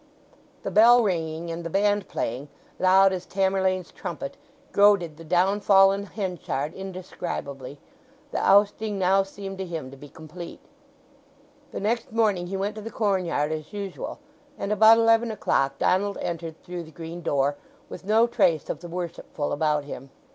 The bell ringing and the band playing, loud as Tamerlane's trumpet, goaded the downfallen Henchard indescribably: the ousting now seemed to him to be complete. The next morning he went to the corn yard as usual, and about eleven o'clock Donald entered through the green door, with no trace of the worshipful about him.